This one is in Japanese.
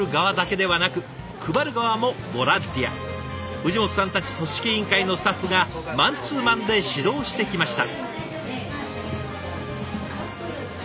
藤本さんたち組織委員会のスタッフがマンツーマンで指導してきました。